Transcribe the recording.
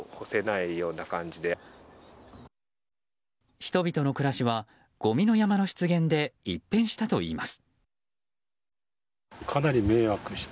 人々の暮らしはごみの山の出現で一変したといいます。